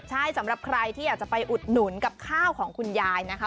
ใช่สำหรับใครที่อยากจะไปอุดหนุนกับข้าวของคุณยายนะคะ